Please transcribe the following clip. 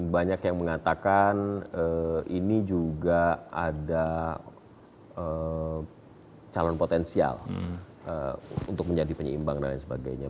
banyak yang mengatakan ini juga ada calon potensial untuk menjadi penyeimbang dan lain sebagainya